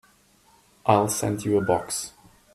I'll send you a box.